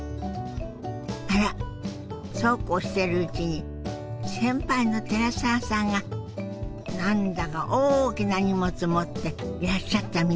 あらそうこうしているうちに先輩の寺澤さんが何だか大きな荷物持っていらっしゃったみたい。